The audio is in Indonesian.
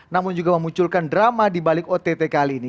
namun juga memunculkan drama dibalik ott kali ini